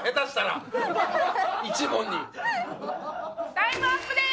タイムアップです！